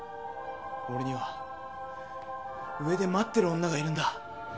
俺には上で待ってる女がいるんだ。